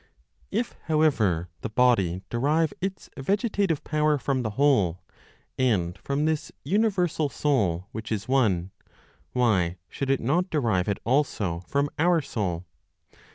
If, however, the body derive its vegetative power from the Whole and from this (universal) Soul which is one, why should it not derive it also from our soul?